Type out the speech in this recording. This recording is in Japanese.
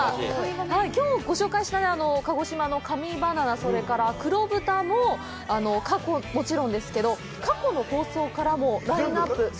きょうご紹介した鹿児島の神バナナや黒豚はもちろん過去の放送からもラインナップ！